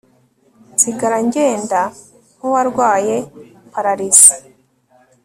nsigara ngenda nk' uwarwaye palarise